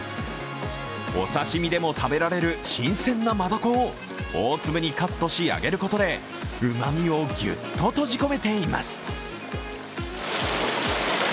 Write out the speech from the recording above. お刺身でも食べられる新鮮な真ダコを大粒にカットし、揚げることでうまみをギュッと閉じ込めています。